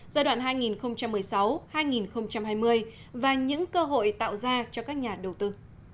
giai đoạn hai nghìn một mươi sáu hai nghìn hai mươi và những cơ hội tạo ra cho các nhà đầu tư